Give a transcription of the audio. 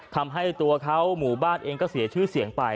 ทำให้ตัวเขาหมู่บ้านเองก็เสียชื่อเสียงไป